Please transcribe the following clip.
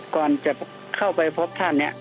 ก่อนจะเข้าไปพบท่านเนี่ย